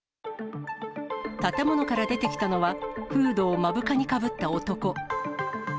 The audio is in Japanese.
建物から出てきたのは、フードを目深にかぶった男。